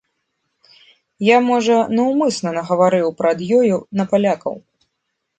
Я, можа, наўмысна нагаварыў перад ёю на палякаў.